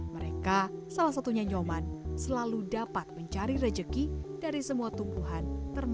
mereka salah satunya nyoman selalu dapat mencari rejeki dari semua tumbuhan